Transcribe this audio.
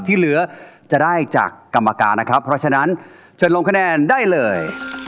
ที่เหลือจะได้จากกรรมการนะครับเพราะฉะนั้นเชิญลงคะแนนได้เลย